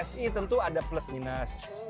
psi tentu ada plus minus